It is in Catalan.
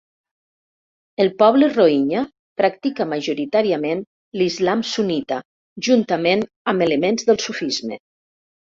El poble Rohingya practica majoritàriament l'islam sunnita juntament amb elements del sufisme.